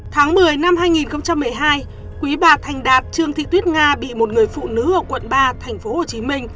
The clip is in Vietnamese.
tháng một mươi năm hai nghìn một mươi hai quý bà thành đạt trương thị tuyết nga bị một người phụ nữ ở quận ba tp hcm